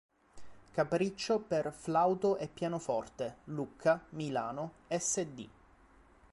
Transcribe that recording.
Capriccio per Flauto e Pianoforte, Lucca, Milano, sd.